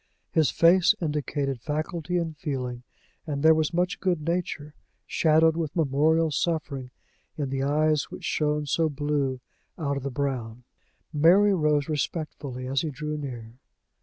His face indicated faculty and feeling, and there was much good nature, shadowed with memorial suffering, in the eyes which shone so blue out of the brown. Mary rose respectfully as he drew near.